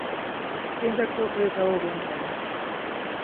Tuyinza tutya okuleetawo obwenkanya?